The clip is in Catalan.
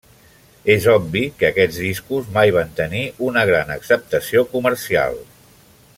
És obvi que aquests discos mai van tenir una gran acceptació comercial.